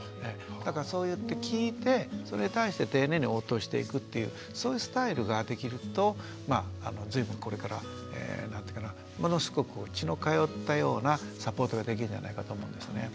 だからそう言って聞いてそれに対して丁寧に応答していくっていうそういうスタイルができると随分これからものすごく血の通ったようなサポートができるんじゃないかと思うんですね。